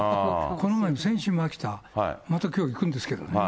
この前、先週も秋田、またきょう行くんですけどね。